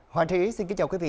hoàn thị xin kính chào quý vị